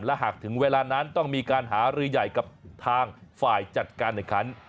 และหากถึงเวลานั้นต้องมีการหารือใหญ่กับทางฝ่ายจัดการแข่งขัน